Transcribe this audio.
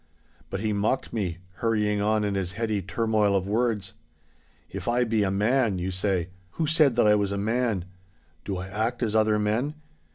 But he mocked me, hurrying on in his heady turmoil of words. '"If I be a man," you say—who said that I was a man? Do I act as other men?